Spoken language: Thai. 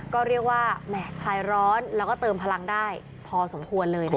ก็เรียกว่าแหม่คลายร้อนแล้วก็เติมพลังได้พอสมควรเลยนะคะ